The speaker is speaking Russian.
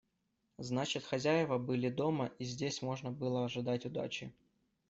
Значит, хозяева были дома и здесь можно было ожидать удачи.